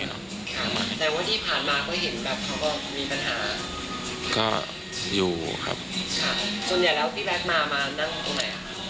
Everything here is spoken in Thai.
แต่ว่าที่ผ่านมาก็เห็นแบบเขาบอกมีปัญหาก็อยู่ครับค่ะส่วนใหญ่แล้วพี่แบทมามานั่งตรงไหนอ่ะ